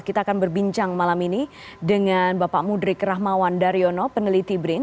kita akan berbincang malam ini dengan bapak mudrik rahmawan daryono peneliti brin